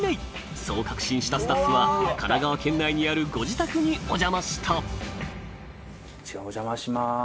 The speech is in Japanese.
そう確信したスタッフは神奈川県内にあるご自宅にお邪魔したお邪魔します。